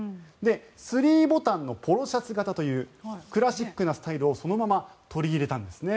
３ボタンのポロシャツ型というクラシックなスタイルをそのまま取り入れたんですね。